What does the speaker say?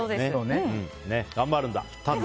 頑張るんだ！